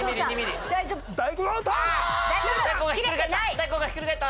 大根がひっくり返った。